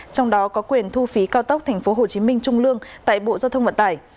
trong đó có quyền thu phí cao tốc tp hcm trung lương tại bộ giao thông vận tải